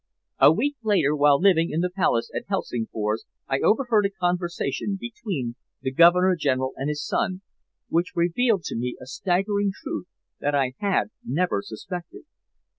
"A week later, while living in the palace at Helsingfors, I overheard a conversation between the Governor General and his son, which revealed to me a staggering truth that I had never suspected.